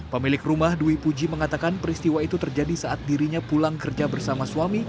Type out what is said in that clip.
pemilik rumah dwi puji mengatakan peristiwa itu terjadi saat dirinya pulang kerja bersama suami